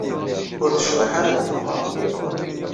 Ur tecḍiḥ ara di tmeɣra.